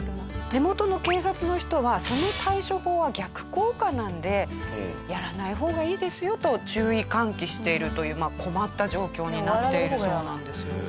地元の警察の人はその対処法は逆効果なのでやらない方がいいですよと注意喚起しているという困った状況になっているそうなんですよね。